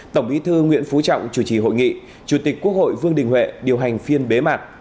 tổng bí thư nguyễn phú trọng chủ trì hội nghị chủ tịch quốc hội vương đình huệ điều hành phiên bế mạc